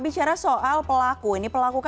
bicara soal pelaku